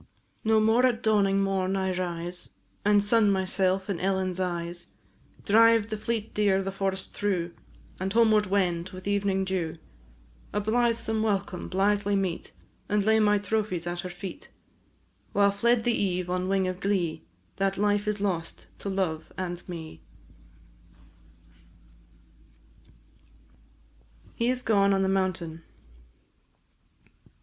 No more at dawning morn I rise And sun myself in Ellen's eyes, Drive the fleet deer the forest through, And homeward wend with evening dew; A blithesome welcome blithely meet And lay my trophies at her feet, While fled the eve on wing of glee That life is lost to love and me! "The Lady of the Lake," canto sixth. HE IS GONE ON THE MOUNTAIN.